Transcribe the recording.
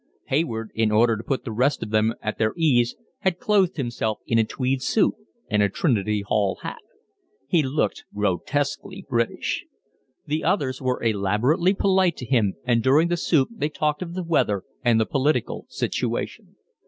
Hayward in order to put the rest of them at their ease had clothed himself in a tweed suit and a Trinity Hall tie. He looked grotesquely British. The others were elaborately polite to him, and during the soup they talked of the weather and the political situation.